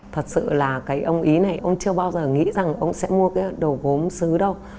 thật sự là cái ông ý này ông chưa bao giờ nghĩ rằng ông sẽ mua cái đồ gốm xứ đâu